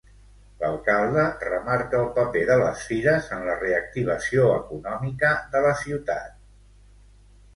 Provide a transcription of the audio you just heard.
L'alcalde remarca el paper de les fires en la reactivació econòmica de la ciutat.